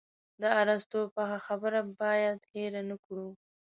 د ارسطو پخه خبره باید هېره نه کړو.